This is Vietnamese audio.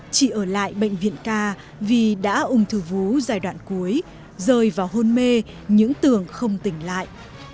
chị ở lại bệnh viện ca vì đã ung thư vú giai đoạn cuối rơi vào hôn mê những tường không tỉnh lại